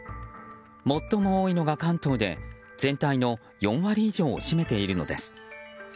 最も多いのが関東で全体の４割以上を占めているのです。